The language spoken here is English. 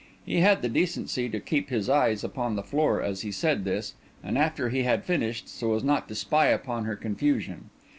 He had the decency to keep his eyes upon the floor as he said this, and after he had finished, so as not to spy upon her confusion.